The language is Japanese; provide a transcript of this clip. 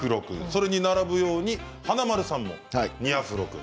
それに並ぶように華丸さん３アフロ君。